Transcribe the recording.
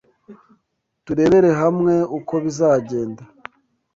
Turebere hamwe uko bizagenda